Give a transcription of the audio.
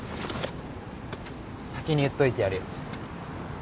先に言っといてやるよ